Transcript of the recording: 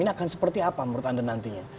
ini akan seperti apa menurut anda nantinya